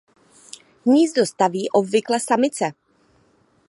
Hnízdo staví obvykle samice.